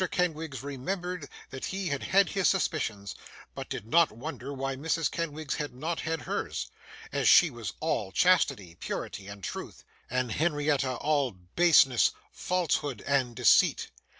Kenwigs remembered that he had had his suspicions, but did not wonder why Mrs. Kenwigs had not had hers, as she was all chastity, purity, and truth, and Henrietta all baseness, falsehood, and deceit.